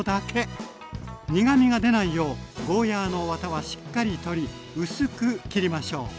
苦みが出ないようゴーヤーのわたはしっかり取り薄く切りましょう。